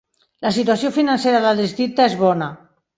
La situació financera del districte és bona.